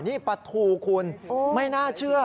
นี่ปลาทูคุณไม่น่าเชื่อ